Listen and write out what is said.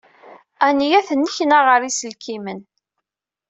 Ania tennekna ɣer yiselkimen.